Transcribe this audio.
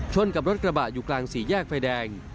กับรถกระบะอยู่กลางสี่แยกไฟแดง